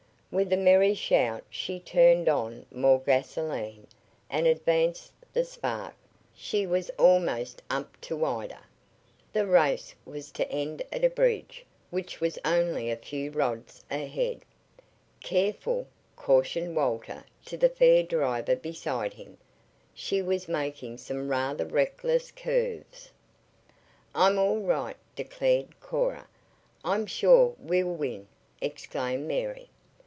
With a merry shout she turned on more gasolene and advanced the spark. She was almost up to Ida. The race was to end at a bridge, which was only a few rods ahead. "Careful," cautioned Walter to the fair driver beside him. She was making some rather reckless curves. "I'm all right," declared Cora. "I'm sure we'll win," exclaimed Mary.